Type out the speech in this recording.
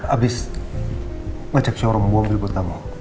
abis ngajak showroom gua ambil buat kamu